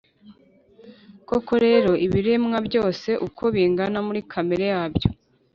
Koko rero, ibiremwa byose uko bingana muri kamere yabyo,